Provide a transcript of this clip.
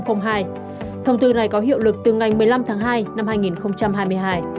thông tư này có hiệu lực từ ngày một mươi năm tháng hai năm hai nghìn hai mươi hai